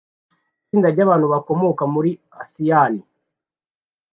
Itsinda ryabantu bakomoka muri asiyani